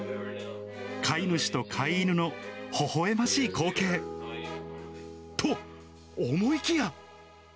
飼い主と飼い犬のほほえましい光景と、思いきや。